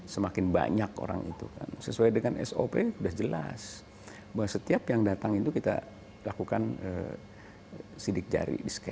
semakin banyak orang itu kan sesuai dengan sop sudah jelas bahwa setiap yang datang itu kita lakukan sidik jari